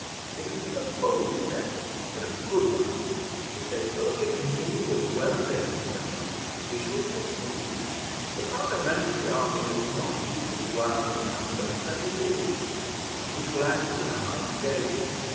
It has been a bold step, but a good one; and if they only continue as well as they have begun, we shall succeed. The Parliamentary army is not equal to ours in numbers, as it is; and we shall add to ours dayly.